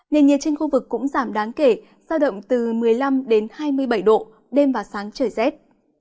nền nhiệt trên khu vực cũng giảm đáng kể giao động từ một mươi năm đến hai mươi bảy độ đêm và sáng trời rét